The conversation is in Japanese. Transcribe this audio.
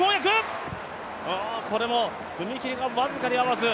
これも踏み切りが僅かに合わず。